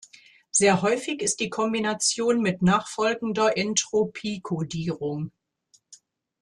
Sehr häufig ist die Kombination mit nachfolgender Entropiekodierung.